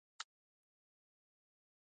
د هدايت كېدو ټول امكانات ئې ختم شي